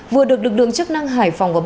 vừa được lực lượng chức năng hải phòng